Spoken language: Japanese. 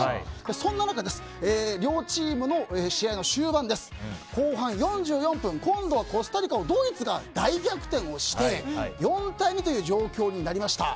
そんな中、両チームの試合の終盤後半４４分、今度はコスタリカをドイツが大逆転をして４対２という状況になりました。